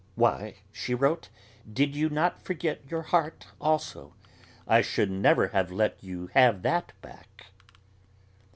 "Why," she wrote, "did you not forget your heart also? I should never have let you have that back."